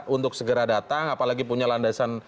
untuk segera datang apalagi punya landasan